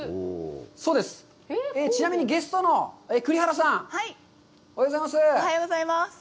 ちなみに、ゲストの栗原さん、おはようございます。